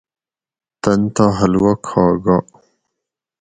تن تہ حلوہ کھا گا